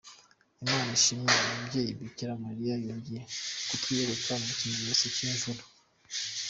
Imana ishimwe Umubyeyi Bikira Mariya yongeye kutwiyereka mu kimenyetso cy’imvura.